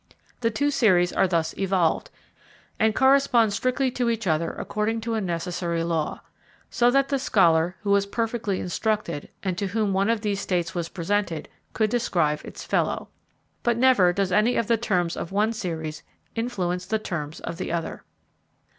The two series are thus evolved, and correspond strictly to each other according to a necessary law; so that the scholar who was perfectly instructed, and to whom one of these states was presented, could describe its fellow. But never does any of the terms of one series influence the terms of the other.